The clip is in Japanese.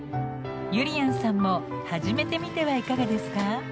ゆりやんさんも始めてみてはいかがですか？